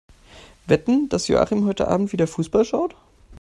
Wetten, dass Joachim heute Abend wieder Fussball schaut?